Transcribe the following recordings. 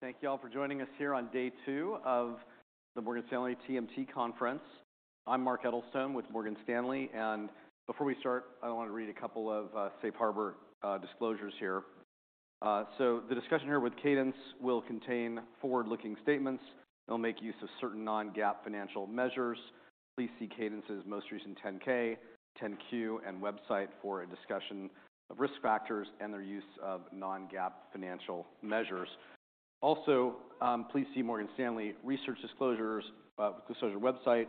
Thank you all for joining us here on day two of the Morgan Stanley TMT Conference. I'm Lee Simpson with Morgan Stanley. Before we start I want to read a couple of safe harbor disclosures here. The discussion here with Cadence will contain forward-looking statements. It'll make use of certain non-GAAP financial measures. Please see Cadence's most recent 10-K, 10-Q, and website for a discussion of risk factors and their use of non-GAAP financial measures. Please see Morgan Stanley research disclosures disclosure website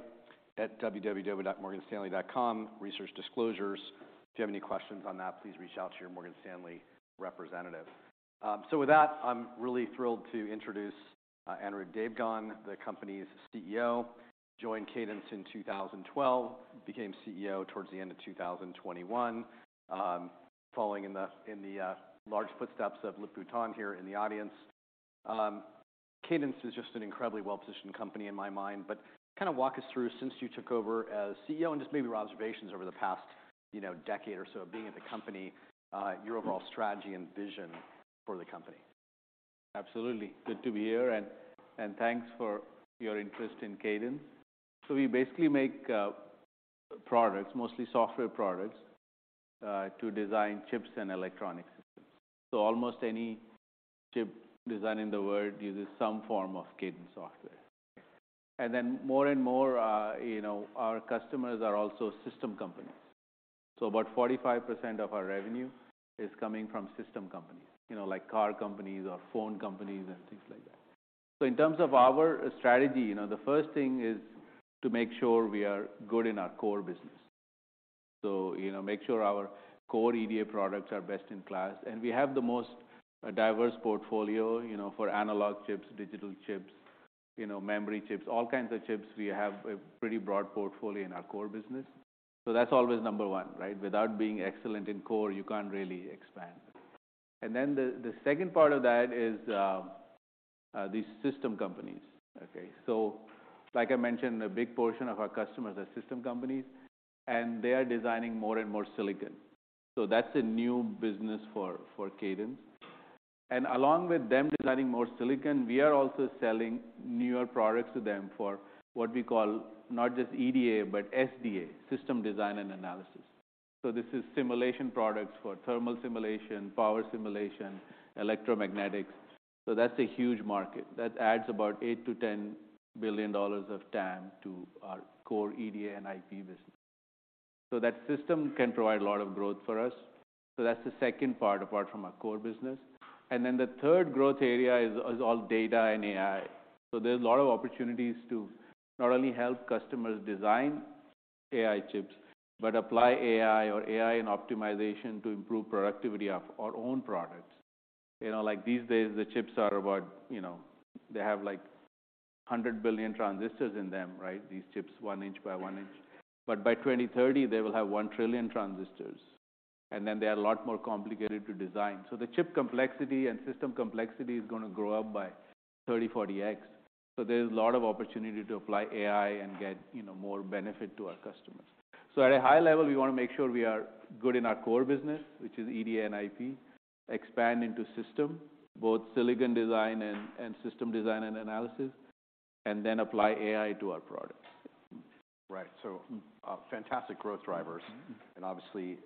at www.morganstanley.com/researchdisclosures. If you have any questions on that, please reach out to your Morgan Stanley representative. With that, I'm really thrilled to introduce Anirudh Devgan, the company's CEO. Joined Cadence in 2012, became CEO towards the end of 2021, following in the large footsteps of Lip-Bu Tan here in the audience. Cadence is just an incredibly well-positioned company in my mind. Kind of walk us through, since you took over as CEO, and just maybe your observations over the past, you know, decade or so of being at the company, your overall strategy and vision for the company. Absolutely. Good to be here and thanks for your interest in Cadence. We basically make products, mostly software products, to design chips and electronics systems. Almost any chip design in the world uses some form of Cadence software. Then more and more, you know, our customers are also system companies. About 45% of our revenue is coming from system companies, you know, like car companies or phone companies and things like that. In terms of our strategy, you know, the first thing is to make sure we are good in our core business. Make sure our core EDA products are best in class. We have the most diverse portfolio, you know, for analog chips, digital chips, you know, memory chips, all kinds of chips. We have a pretty broad portfolio in our core business. That's always number one, right? Without being excellent in core, you can't really expand. The second part of that is these system companies. Okay. Like I mentioned, a big portion of our customers are system companies, and they are designing more and more silicon. That's a new business for Cadence. Along with them designing more silicon, we are also selling newer products to them for what we call not just EDA, but SDA, System Design and Analysis. This is simulation products for thermal simulation, power simulation, electromagnetics. That's a huge market. That adds about $8 billion-$10 billion of TAM to our core EDA and IP business. That system can provide a lot of growth for us. That's the second part, apart from our core business. The third growth area is all data and AI. There's a lot of opportunities to not only help customers design AI chips, but apply AI or AI and optimization to improve productivity of our own products. You know, like these days, the chips are about, you know, they have like 100 billion transistors in them, right? These chips, 1 inch by 1 inch. By 2030, they will have 1 trillion transistors, they are a lot more complicated to design. The chip complexity and system complexity is gonna grow up by 30-40x. There's a lot of opportunity to apply AI and get, you know, more benefit to our customers. At a high level, we wanna make sure we are good in our core business, which is EDA and IP, expand into system, both silicon design and System Design and Analysis, and then apply AI to our products. Right. fantastic growth drivers- Mm-hmm. obviously,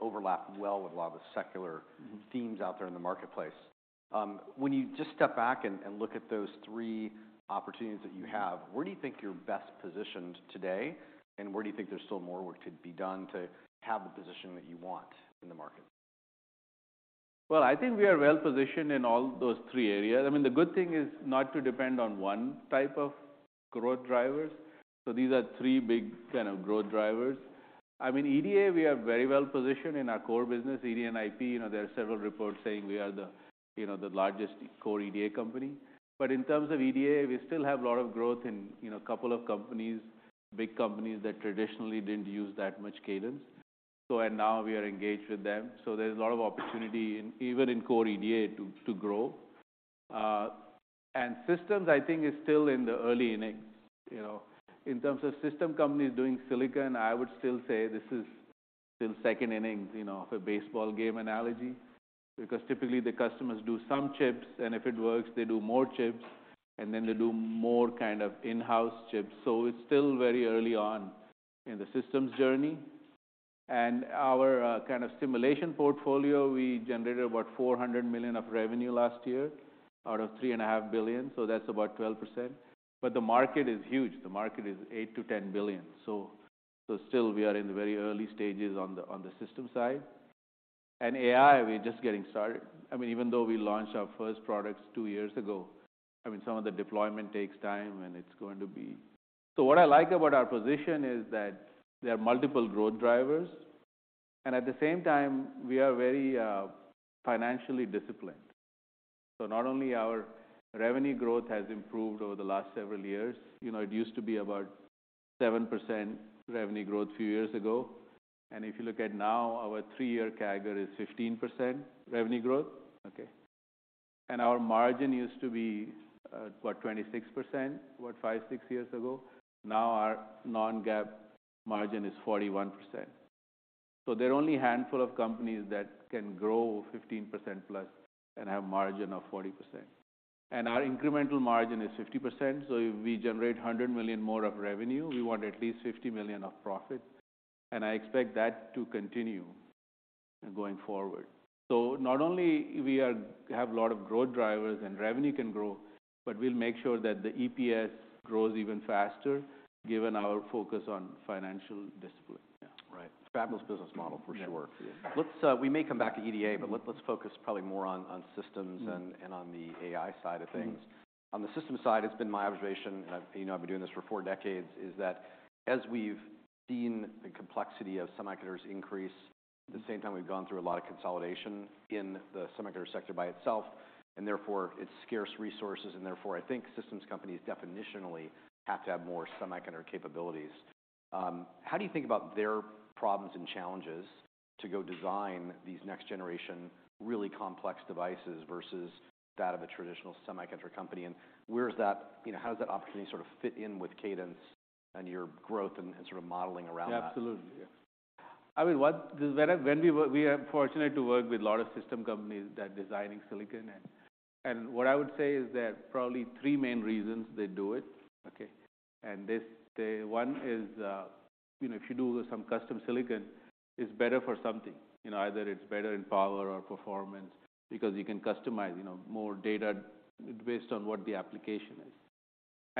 overlap well with a lot of the secular- Mm-hmm. themes out there in the marketplace. When you just step back and look at those three opportunities that you have, where do you think you're best positioned today, and where do you think there's still more work to be done to have the position that you want in the market? Well, I think we are well-positioned in all those three areas. I mean, the good thing is not to depend on one type of growth drivers. These are three big kind of growth drivers. I mean, EDA, we are very well positioned in our core business, EDA and IP. You know, there are several reports saying we are the, you know, the largest core EDA company. In terms of EDA, we still have a lot of growth in, you know, a couple of companies, big companies that traditionally didn't use that much Cadence. Now we are engaged with them. There's a lot of opportunity in, even in core EDA to grow. Systems, I think, is still in the early innings. You know, in terms of system companies doing silicon, I would still say this is still second innings, you know, for baseball game analogy. Typically, the customers do some chips, and if it works, they do more chips, and then they do more kind of in-house chips. It's still very early on in the systems journey. Our, kind of simulation portfolio, we generated about $400 million of revenue last year out of $3.5 billion, so that's about 12%. The market is huge. The market is $8 billion-$10 billion. Still we are in the very early stages on the, on the system side. AI, we're just getting started. I mean, even though we launched our first products two years ago, I mean, some of the deployment takes time, and it's going to be... What I like about our position is that there are multiple growth drivers, and at the same time, we are very financially disciplined. Not only our revenue growth has improved over the last several years, you know, it used to be about 7% revenue growth few years ago. If you look at now, our three-year CAGR is 15% revenue growth. Okay. Our margin used to be, what, 26%, what, five, six years ago. Now our non-GAAP margin is 41%. There are only a handful of companies that can grow 15%+ and have margin of 40%. Our incremental margin is 50%, so if we generate $100 million more of revenue, we want at least $50 million of profit. I expect that to continue going forward. Not only we have a lot of growth drivers and revenue can grow, but we'll make sure that the EPS grows even faster given our focus on financial discipline. Yeah right. Fabulous business model, for sure. Yeah. Let's, we may come back to EDA, but let's focus probably more on systems. Mm-hmm. On the AI side of things. Mm-hmm. On the system side it's been my observation and I've, you know I've been doing this for four decades, is that as we've seen the complexity of semiconductors increase, at the same time we've gone through a lot of consolidation in the semiconductor sector by itself, and therefore its scarce resources, and therefore I think systems companies definitionally have to have more semiconductor capabilities. How do you think about their problems and challenges to go design these next generation, really complex devices versus that of a traditional semiconductor company? Where is that, you know, how does that opportunity sort of fit in with Cadence and your growth and sort of modeling around that? Absolutely. I mean, Cause when we are fortunate to work with a lot of system companies that designing silicon, what I would say is that probably three main reasons they do it, okay. The one is, you know, if you do some custom silicon, it's better for something. You know, either it's better in power or performance because you can customize, you know, more data based on what the application is.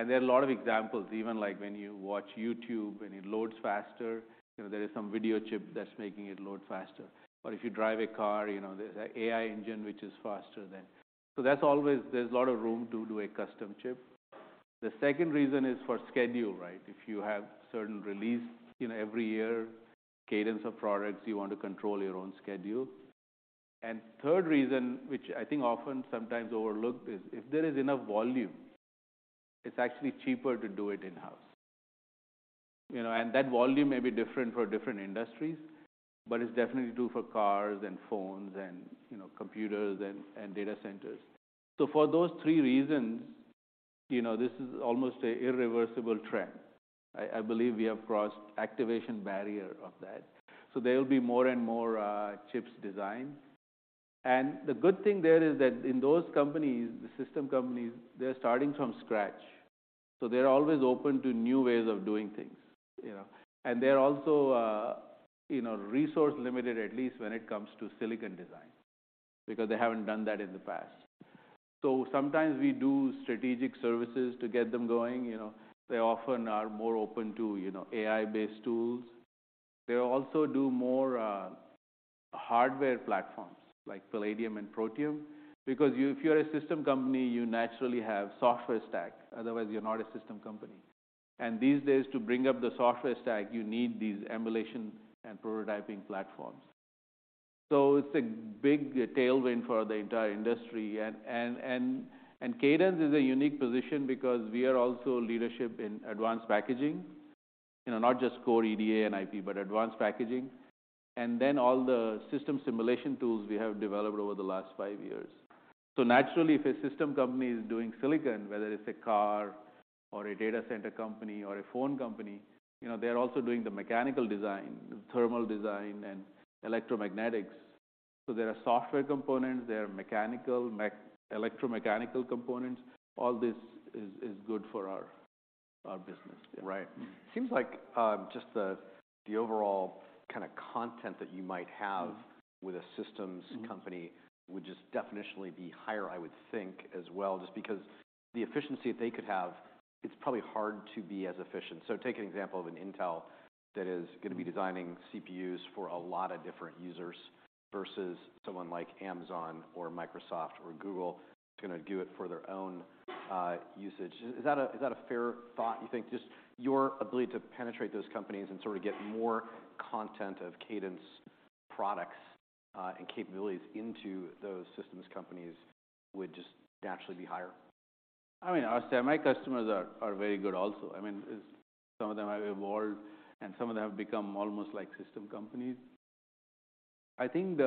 There are a lot of examples, even like when you watch YouTube and it loads faster, you know, there is some video chip that's making it load faster. If you drive a car, you know, there's an AI engine which is faster than. That's always, there's a lot of room to do a custom chip. The second reason is for schedule, right? If you have certain release, you know, every year, Cadence of products, you want to control your own schedule. Third reason, which I think often sometimes overlooked, is if there is enough volume, it's actually cheaper to do it in-house. You know, that volume may be different for different industries, but it's definitely true for cars and phones and, you know, computers and data centers. For those three reasons, you know, this is almost a irreversible trend. I believe we have crossed activation barrier of that. There will be more and more chips designed. The good thing there is that in those companies, the system companies, they're starting from scratch, so they're always open to new ways of doing things, you know. They're also, you know, resource limited, at least when it comes to silicon design, because they haven't done that in the past. Sometimes we do strategic services to get them going, you know. They often are more open to, you know, AI-based tools. They also do more hardware platforms like Palladium and Protium, because you, if you're a system company, you naturally have software stack, otherwise you're not a system company. These days, to bring up the software stack, you need these emulation and prototyping platforms. It's a big tailwind for the entire industry. Cadence is a unique position because we are also leadership in advanced packaging. You know, not just core EDA and IP, but advanced packaging. All the system simulation tools we have developed over the last five years. Naturally, if a system company is doing silicon, whether it's a car or a data center company or a phone company, you know, they're also doing the mechanical design, thermal design, and electromagnetics. There are software components, there are mechanical, electromechanical components. All this is good for our business. Right. Seems like, just the overall kind of content that you might have. Mm-hmm. With a systems company would just definitionally be higher, I would think, as well, just because the efficiency they could have, it's probably hard to be as efficient. Take an example of an Intel that is gonna be designing CPUs for a lot of different users versus someone like Amazon or Microsoft or Google that's gonna do it for their own usage. Is that a, is that a fair thought, you think? Just your ability to penetrate those companies and sort of get more content of Cadence products and capabilities into those systems companies would just naturally be higher. I mean, our semi customers are very good also. I mean, some of them have evolved and some of them have become almost like system companies. I think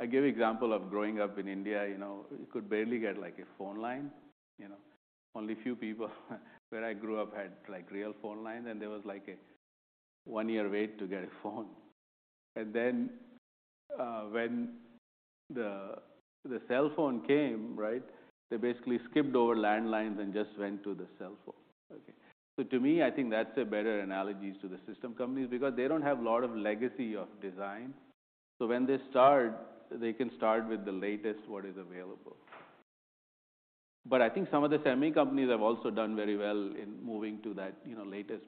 I gave example of growing up in India, you know, you could barely get, like, a phone line, you know. Only few people where I grew up had, like, real phone lines, and there was, like, a one year wait to get a phone. When the cell phone came, right, they basically skipped over landlines and just went to the cell phone. Okay to me, I think that's a better analogies to the system companies because they don't have a lot of legacy of design. When they start, they can start with the latest what is available. I think some of the semi companies have also done very well in moving to that, you know, latest.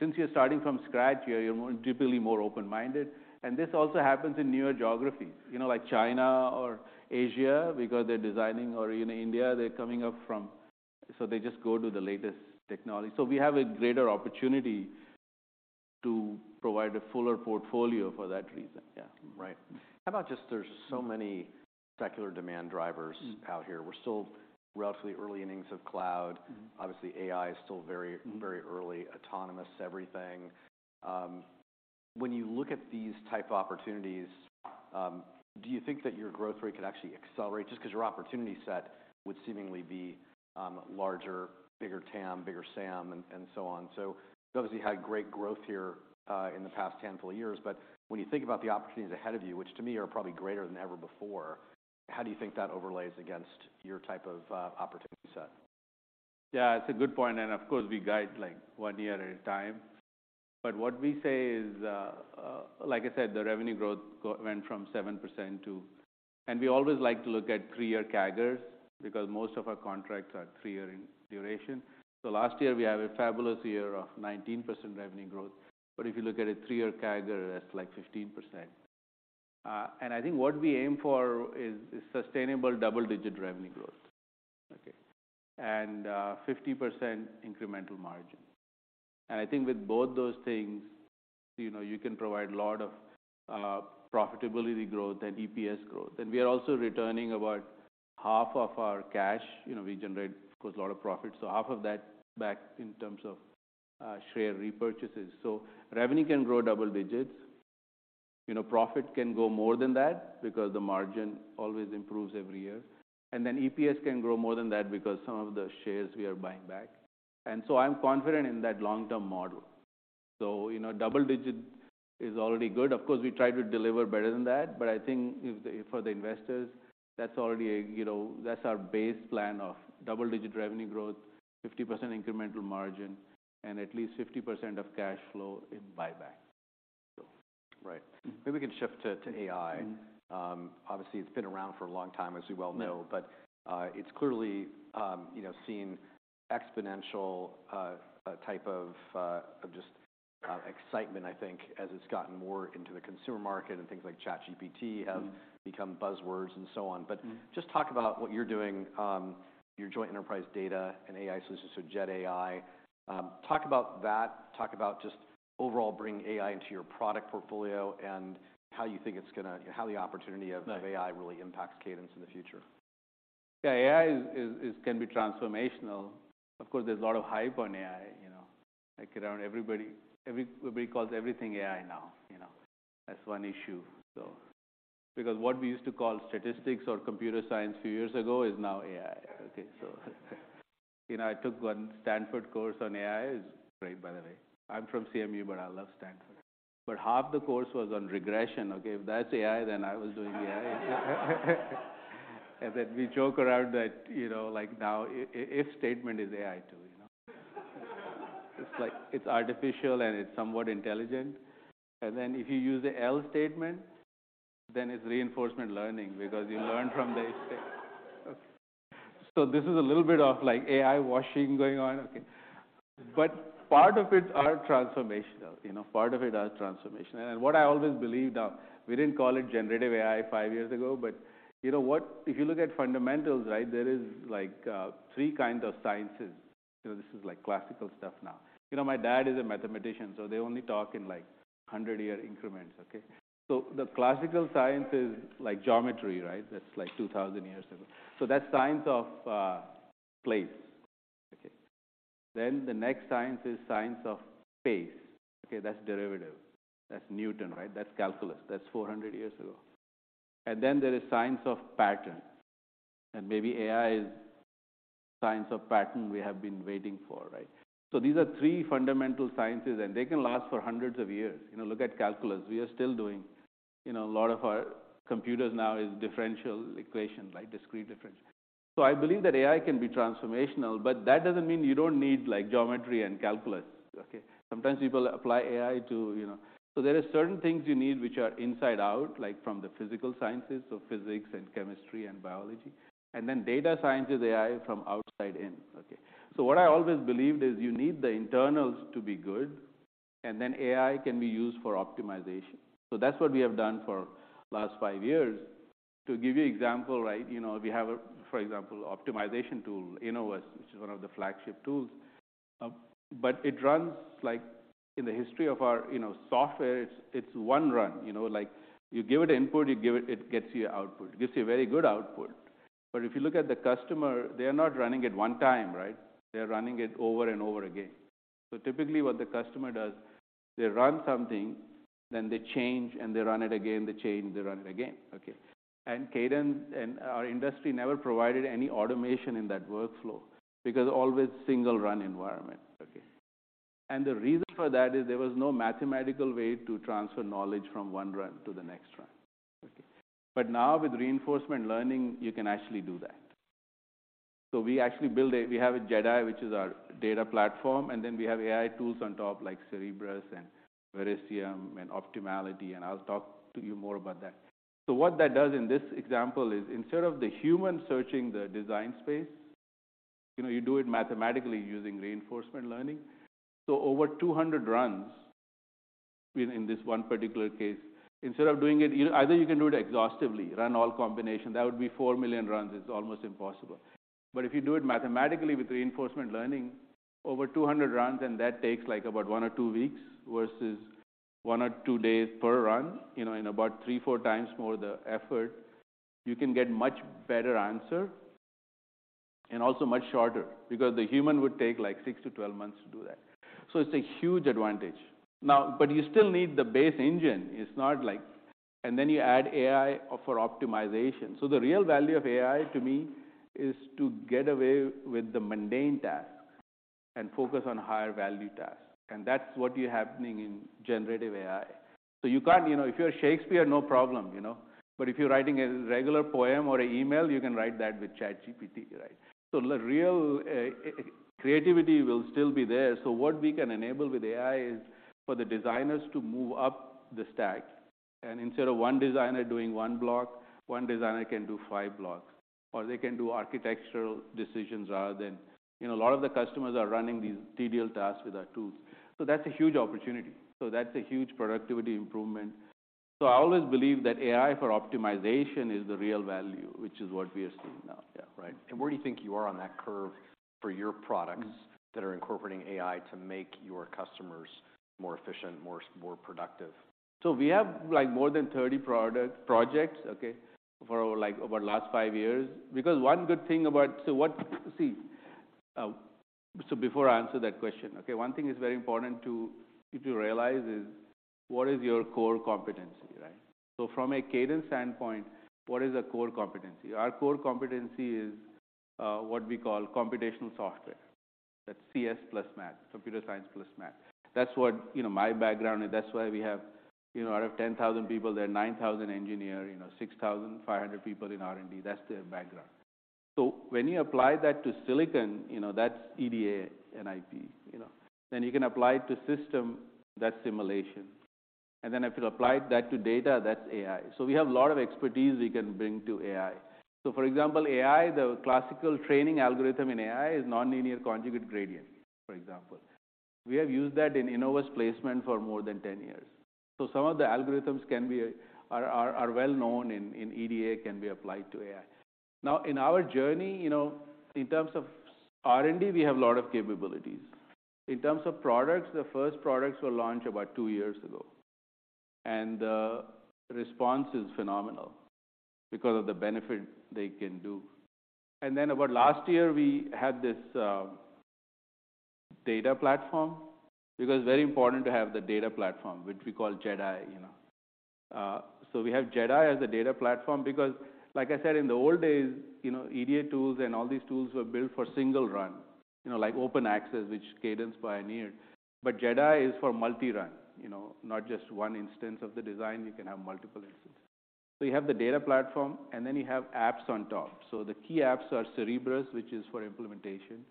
Since you're starting from scratch, you're typically more open-minded. This also happens in newer geographies, you know, like China or Asia, because they're designing, or, you know, India, they're coming up from. They just go to the latest technology. We have a greater opportunity to provide a fuller portfolio for that reason. Yeah. Right. How about just there's so many secular demand drivers- Mm. -out here. We're still relatively early innings of cloud. Mm-hmm. Obviously, AI is still. Mm. very early, autonomous everything. When you look at these type opportunities, do you think that your growth rate could actually accelerate just 'cause your opportunity set would seemingly be larger, bigger TAM, bigger SAM, and so on? You've obviously had great growth here in the past handful of years, but when you think about the opportunities ahead of you, which to me are probably greater than ever before, how do you think that overlays against your type of opportunity set? Yeah, it's a good point. Of course, we guide like one year at a time. What we say is, like I said, the revenue growth went from 7% to... We always like to look at three year CAGRs because most of our contracts are three year in duration. Last year, we had a fabulous year of 19% revenue growth. If you look at a three year CAGR, that's like 15%. I think what we aim for is sustainable double-digit revenue growth, okay. 50% incremental margin. I think with both those things, you know, you can provide a lot of profitability growth and EPS growth. We are also returning about half of our cash. You know, we generate, of course, a lot of profit, half of that back in terms of share repurchases. Revenue can grow double-digit. You know, profit can grow more than that because the margin always improves every year. EPS can grow more than that because some of the shares we are buying back. I'm confident in that long-term model. You know, double-digit is already good. Of course, we try to deliver better than that. I think for the investors, that's already a that's our base plan of double-digit revenue growth, 50% incremental margin, and at least 50% of cash flow in buyback. Right. Maybe we can shift to AI. Mm-hmm. obviously, it's been around for a long time, as we well know. Yeah. It's clearly, you know, seen exponential type of just excitement, I think, as it's gotten more into the consumer market and things like ChatGPT. Mm-hmm... have become buzzwords and so on. Mm-hmm. Just talk about what you're doing, your Joint Enterprise Data and AI solutions, so JedAI. Talk about that. Talk about just overall bringing AI into your product portfolio and how you think it's how the opportunity of- Right AI really impacts Cadence in the future. AI is can be transformational. Of course, there's a lot of hype on AI, you know, like around everybody. Everybody calls everything AI now, you know. That's one issue, so. What we used to call statistics or computer science a few years ago is now AI. You know, I took one Stanford course on AI. It was great, by the way. I'm from CMU, but I love Stanford. Half the course was on regression. If that's AI, then I was doing AI. Then we joke around that, you know, like now if statement is AI too, you know. It's like it's artificial and it's somewhat intelligent. Then if you use the else statement, then it's reinforcement learning because you learn from the if statement. This is a little bit of like AI washing going on. Okay. Part of it are transformational. You know, part of it are transformational. What I always believed, we didn't call it generative AI five years ago, but you know what? If you look at fundamentals, right, there is like, three kinds of sciences. This is like classical stuff now. You know, my dad is a mathematician, so they only talk in like 100-year increments, okay? The classical science is like geometry, right? That's like 2,000 years ago. That's science of place. Okay. The next science is science of space. Okay, that's derivative. That's Newton, right? That's calculus. That's 400 years ago. Then there is science of pattern. Maybe AI is science of pattern we have been waiting for, right? These are three fundamental sciences, and they can last for hundreds of years. You know, look at calculus. You know, a lot of our computers now is differential equations, like discrete differential. I believe that AI can be transformational, but that doesn't mean you don't need like geometry and calculus. Okay. Sometimes people apply AI to, you know. There are certain things you need which are inside out, like from the physical sciences, so physics and chemistry and biology, and then data science is AI from outside in. Okay. What I always believed is you need the internals to be good, and then AI can be used for optimization. That's what we have done for last five years. To give you example, right, you know, we have, for example, optimization tool, Innovus, which is one of the flagship tools. but it runs like in the history of our, you know, software, it's one run. You know, like you give it input, it gets you output. It gives you a very good output. If you look at the customer, they are not running it one time, right? They're running it over and over again. Typically what the customer does, they run something, then they change, and they run it again. They change, they run it again. Okay? Cadence and our industry never provided any automation in that workflow because always single run environment. Okay? The reason for that is there was no mathematical way to transfer knowledge from one run to the next run. Okay? Now with reinforcement learning, you can actually do that. We actually build We have a JedAI, which is our data platform, and then we have AI tools on top like Cerebrus and Verisium and Optimality, and I'll talk to you more about that. What that does in this example is instead of the human searching the design space, you know, you do it mathematically using reinforcement learning. Over 200 runs in this one particular case, instead of doing it. Either you can do it exhaustively, run all combinations. That would be 4 million runs. It's almost impossible. If you do it mathematically with reinforcement learning, over 200 runs, and that takes like about one or two weeks versus one or two days per run, you know, in about 3x, 4x more the effort, you can get much better answer. And also much shorter because the human would take like six to 12 months to do that. It's a huge advantage. You still need the base engine. It's not like. Then you add AI for optimization. The real value of AI to me is to get away with the mundane tasks and focus on higher value tasks. That's what you happening in generative AI. You can't, you know, if you're a Shakespeare, no problem, you know. If you're writing a regular poem or email, you can write that with ChatGPT, right? The real creativity will still be there. What we can enable with AI is for the designers to move up the stack, and instead of one designer doing one block, one designer can do five blocks, or they can do architectural decisions rather than, you know, a lot of the customers are running these tedious tasks with our tools. That's a huge opportunity. That's a huge productivity improvement. I always believe that AI for optimization is the real value, which is what we are seeing now. Yeah. Right. Where do you think you are on that curve for your products that are incorporating AI to make your customers more efficient, more productive? We have, like, more than 30 projects, okay, for, like, over the last five years. Before I answer that question, okay, one thing is very important to, for you to realize is what is your core competency, right? From a Cadence standpoint, what is a core competency? Our core competency is what we call computational software. That's CS plus math, computer science plus math. That's what, you know, my background and that's why we have, you know, out of 10,000 people, there are 9,000 engineer, you know, 6,500 people in R&D. That's their background. When you apply that to silicon, you know, that's EDA and IP, you know. You can apply it to system, that's simulation. If you applied that to data, that's AI. We have a lot of expertise we can bring to AI. For example, AI, the classical training algorithm in AI is nonlinear conjugate gradient, for example. We have used that in Innovus placement for more than 10 years. Some of the algorithms can be, are well known in EDA, can be applied to AI. Now, in our journey, you know, in terms of R&D, we have a lot of capabilities. In terms of products, the first products were launched about two years ago, and the response is phenomenal because of the benefit they can do. About last year, we had this data platform, because very important to have the data platform, which we call JedAI, you know. We have JedAI as a data platform because like I said, in the old days, you know, EDA tools and all these tools were built for single run, you know, like OpenAccess, which Cadence pioneered. JedAI is for multi-run, you know, not just one instance of the design, you can have multiple instances. You have the data platform, and then you have apps on top. The key apps are Cerebrus, which is for implementation,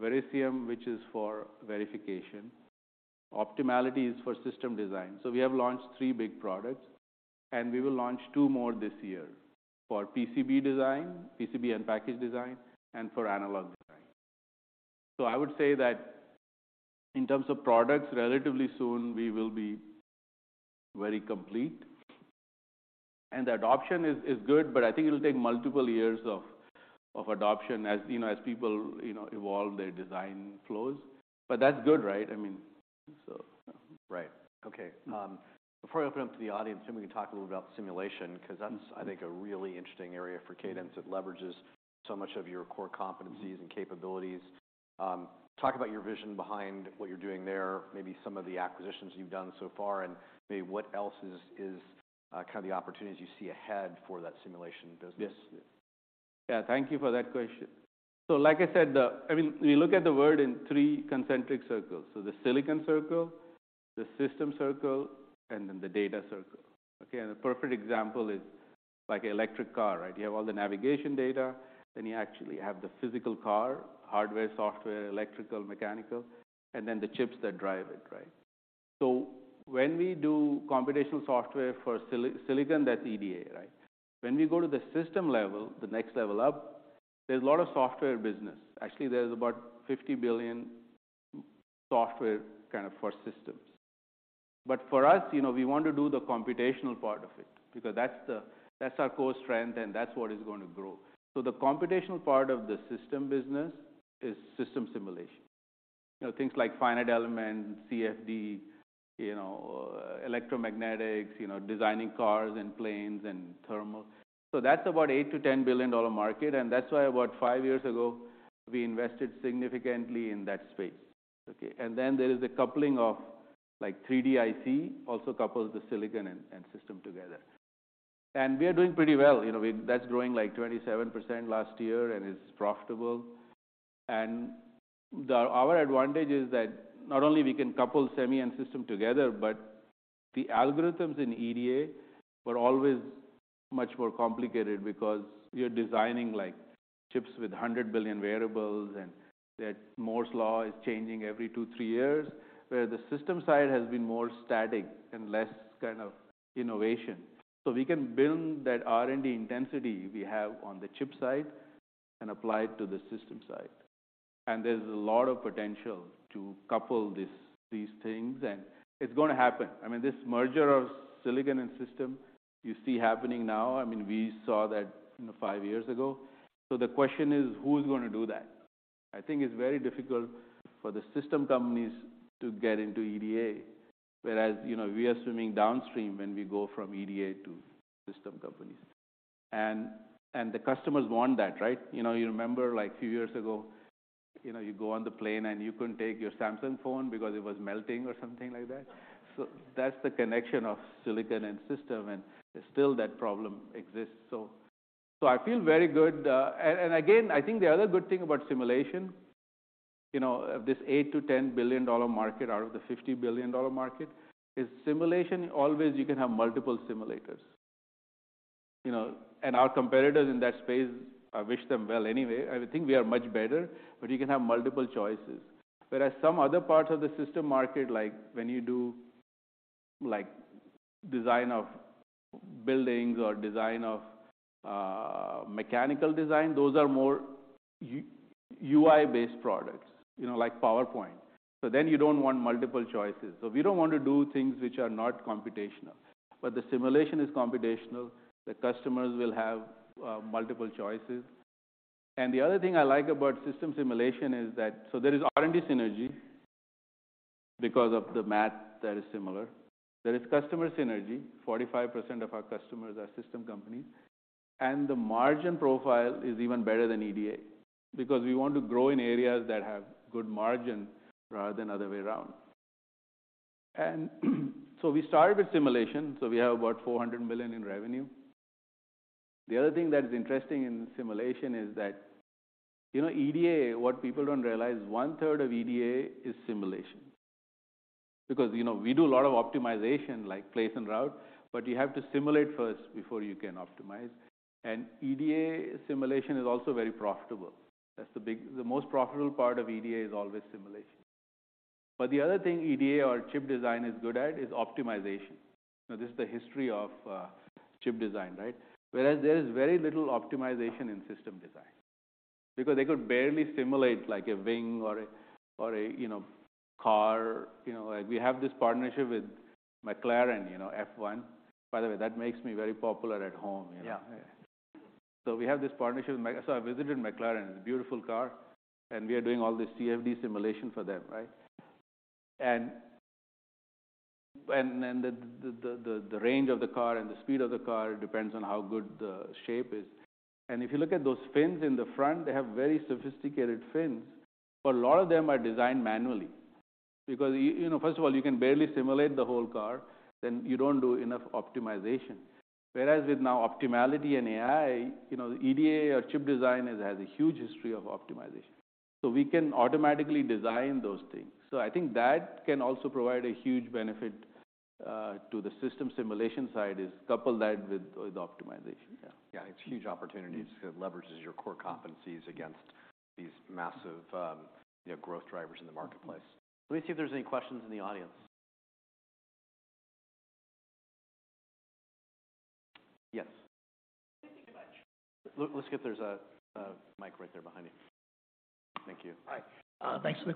Verisium, which is for verification, Optimality is for system design. We have launched three big products, and we will launch two more this year for PCB design, PCB and package design, and for analog design. I would say that in terms of products, relatively soon we will be very complete. The adoption is good, but I think it'll take multiple years of adoption as, you know, as people, you know, evolve their design flows. That's good, right? I mean. Right. Okay. Before I open up to the audience, maybe we can talk a little about simulation, 'cause that's-. Mm-hmm. I think a really interesting area for Cadence. It leverages so much of your core competencies and capabilities. Talk about your vision behind what you're doing there, maybe some of the acquisitions you've done so far, and maybe what else is kind of the opportunities you see ahead for that simulation business. Yes. Yeah thank you for that question. Like I said, I mean, we look at the world in three concentric circles. The silicon circle, the system circle, and then the data circle. The perfect example is like electric car right? You have all the navigation data, then you actually have the physical car, hardware, software, electrical, mechanical and then the chips that drive it right? When we do computational software for silicon, that's EDA, right? When we go to the system level, the next level up, there's a lot of software business. Actually, there's about $50 billion software kind of for systems. For us, you know, we want to do the computational part of it because that's the, that's our core strength and that's what is going to grow. The computational part of the system business is system simulation. You know, things like finite element, CFD, you know, electromagnetics, you know, designing cars and planes and thermal. That's about $8 billion-$10 billion market, and that's why about five years ago, we invested significantly in that space. Okay. There is a coupling of like 3D-IC also couples the silicon and system together. We are doing pretty well. You know, that's growing like 27% last year and is profitable. Our advantage is that not only we can couple semi and system together, but the algorithms in EDA were always much more complicated because you're designing like chips with 100 billion variables and that Moore's law is changing every two, three years where the system side has been more static and less kind of innovation. We can build that R&D intensity we have on the chip side and apply it to the system side. There's a lot of potential to couple this, these things, and it's gonna happen. I mean, this merger of silicon and system you see happening now, I mean, we saw that, you know, five years ago. The question is, who's gonna do that? I think it's very difficult for the system companies to get into EDA, whereas, you know, we are swimming downstream when we go from EDA to system companies. The customers want that, right? You know, you remember like a few years ago, you know, you go on the plane, and you couldn't take your Samsung phone because it was melting or something like that. That's the connection of silicon and system, and still that problem exists. I feel very good. Again, I think the other good thing about simulation, you know, of this $8 billion-$10 billion market out of the $50 billion market, is simulation, always you can have multiple simulators, you know. Our competitors in that space, I wish them well anyway. I think we are much better, but you can have multiple choices. Whereas some other parts of the system market, like when you do, like, design of buildings or design of mechanical design, those are more UI-based products, you know, like PowerPoint. Then you don't want multiple choices. We don't want to do things which are not computational. The simulation is computational. The customers will have multiple choices. The other thing I like about system simulation is that. There is R&D synergy because of the math that is similar. There is customer synergy. 45% of our customers are system companies. The margin profile is even better than EDA because we want to grow in areas that have good margin rather than other way around. We started with simulation, so we have about $400 million in revenue. The other thing that is interesting in simulation is that, you know EDA, what people don't realize, 1/3 of EDA is simulation. You know, we do a lot of optimization like place and route, but you have to simulate first before you can optimize. EDA simulation is also very profitable. That's the most profitable part of EDA is always simulation. The other thing EDA or chip design is good at is optimization. This is the history of chip design, right? There is very little optimization in system design because they could barely simulate like a wing or a, or a, you know, car. You know, like, we have this partnership with McLaren, you know, F1. By the way, that makes me very popular at home, you know. Yeah. We have this partnership with McLaren. I visited McLaren. It's a beautiful car, and we are doing all this CFD simulation for them, right? The range of the car and the speed of the car depends on how good the shape is. If you look at those fins in the front, they have very sophisticated fins, but a lot of them are designed manually. You know, first of all, you can barely simulate the whole car, then you don't do enough optimization. Whereas with now Optimality and AI, you know, the EDA or chip design has a huge history of optimization. We can automatically design those things. I think that can also provide a huge benefit to the system simulation side is couple that with optimization. Yeah. Yeah. It's huge opportunities. It leverages your core competencies against these massive, you know, growth drivers in the marketplace. Let me see if there's any questions in the audience. Yes. How do you think about? There's a mic right there behind you. Thank you. Hi. Thanks for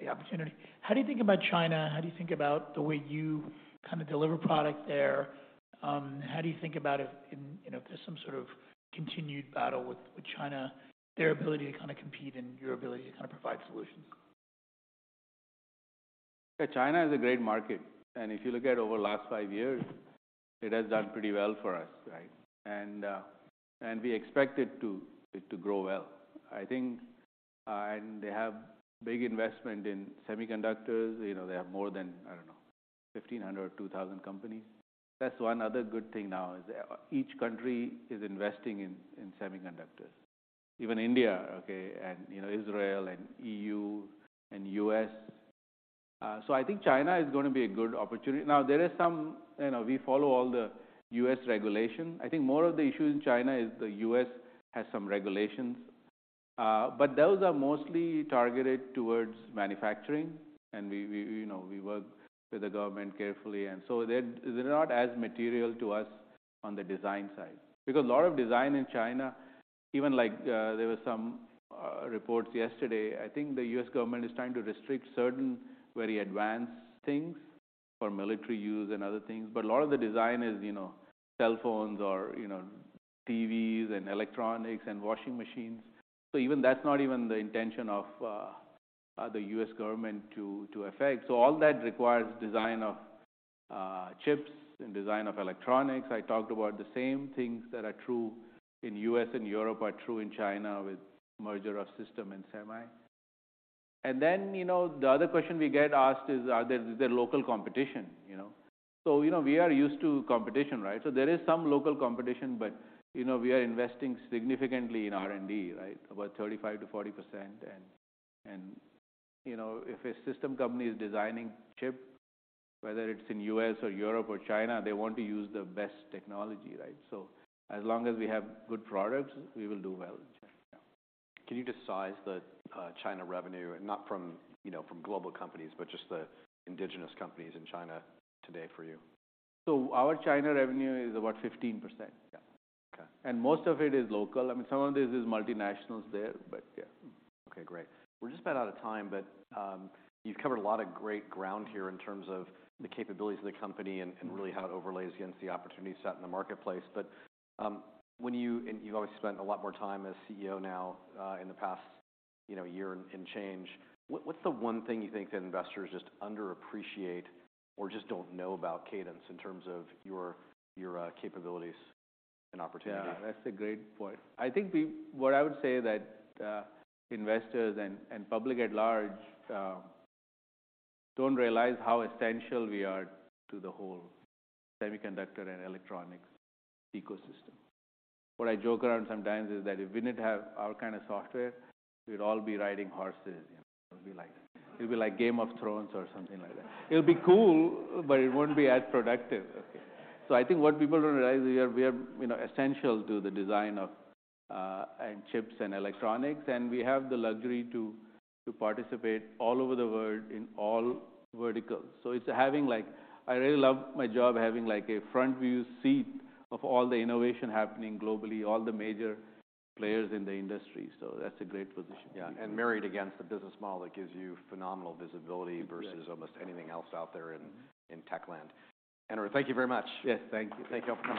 the opportunity. How do you think about China? How do you think about the way you kinda deliver product there? How do you think about it in, you know, if there's some sort of continued battle with China, their ability to kinda compete and your ability to kinda provide solutions? Yeah, China is a great market. If you look at over the last five years, it has done pretty well for us, right? We expect it to grow well. I think, and they have big investment in semiconductors. You know, they have more than, I don't know, 1,500, 2,000 companies. That's one other good thing now is each country is investing in semiconductors. Even India, okay, and, you know, Israel and EU and U.S. I think China is gonna be a good opportunity. Now. You know, we follow all the U.S. regulation. I think more of the issue in China is the U.S. has some regulations. Those are mostly targeted towards manufacturing, and we, you know, we work with the government carefully, and so they're not as material to us on the design side. A lot of design in China, even like, there were some reports yesterday, I think the U.S. government is trying to restrict certain very advanced things for military use and other things. A lot of the design is, you know, cell phones or, you know, TVs and electronics and washing machines. Even that's not even the intention of the U.S. government to affect. All that requires design of chips and design of electronics. I talked about the same things that are true in U.S. and Europe are true in China with merger of system and semi. Then, you know, the other question we get asked is, are there, is there local competition, you know? You know, we are used to competition, right? There is some local competition, but, you know, we are investing significantly in R&D, right? About 35%-40%. You know, if a system company is designing chip, whether it's in U.S. or Europe or China, they want to use the best technology, right? As long as we have good products, we will do well in China. Can you just size the China revenue, not from, you know, from global companies, but just the indigenous companies in China today for you? Our China revenue is about 15%. Yeah. Okay. Most of it is local. I mean, some of this is multinationals there, but yeah. Okay great. We're just about out of time, you've covered a lot of great ground here in terms of the capabilities of the company and really how it overlays against the opportunity set in the marketplace. You've obviously spent a lot more time as CEO now, in the past, you know, year and change. What's the one thing you think that investors just underappreciate or just don't know about Cadence in terms of your capabilities and opportunity? Yeah, that's a great point. I think what I would say that investors and public at large don't realize how essential we are to the whole semiconductor and electronics ecosystem. What I joke around sometimes is that if we didn't have our kind of software, we'd all be riding horses, you know. It'd be like, it'd be like Game of Thrones or something like that. It'll be cool, but it won't be as productive. I think what people don't realize, we are, you know, essential to the design of chips and electronics, and we have the luxury to participate all over the world in all verticals. It's having like I really love my job having like a front view seat of all the innovation happening globally, all the major players in the industry. That's a great position. Yeah. Married against a business model that gives you phenomenal visibility- Exactly. Versus almost anything else out there in tech land. Anyway, thank you very much. Yes thank you. Thank you all for coming.